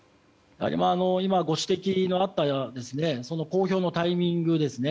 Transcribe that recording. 今ご指摘のあったように公表のタイミングですね。